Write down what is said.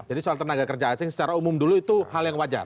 jadi soal tenaga kerja asing secara umum dulu itu hal yang wajar